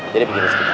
jadi bikin lo sekitar